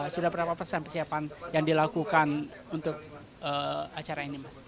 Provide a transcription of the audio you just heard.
sudah berapa persen persiapan yang dilakukan untuk acara ini mas